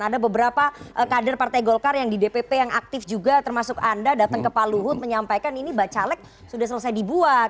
ada beberapa kader partai golkar yang di dpp yang aktif juga termasuk anda datang ke pak luhut menyampaikan ini bacalek sudah selesai dibuat